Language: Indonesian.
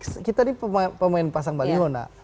ini kita ini pemain pasang baliho mbak